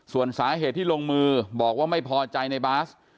ส่วนสาเหตุที่ลงมือบอกว่าไม่พอใจในบาส